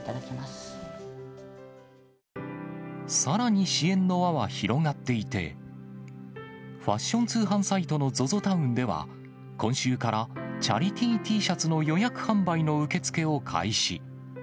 さらに支援の輪は広がっていて、ファッション通販サイトのＺＯＺＯＴＯＷＮでは、今週から、チャリティーＴシャツの予約販売の受け付けを開始。